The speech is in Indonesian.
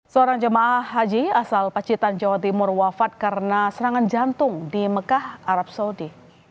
seorang jemaah haji asal pacitan jawa timur wafat karena serangan jantung di mekah arab saudi